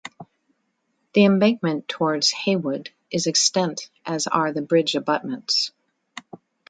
The embankment towards Haywood is extant as are the bridge abutments.